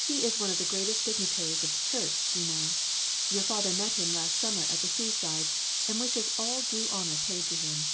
He is one of the greatest dignitaries of the church, you know. Your father met him last summer at the seaside, and wishes all due honor paid to him.